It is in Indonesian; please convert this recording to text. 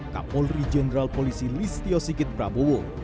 kapolri jenderal polisi listio sigit prabowo